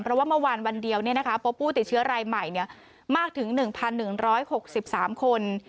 เพราะว่าเมื่อวานวันเดียวพบผู้ติดเชื้อรายใหม่มากถึง๑๑๖๓คน